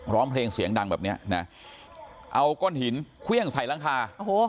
ร้องเพลงเสียงดังแบบเนี้ยนะเอาก้อนหินเครื่องใส่หลังคาโอ้โห